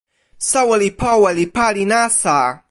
soweli powe li pali nasa.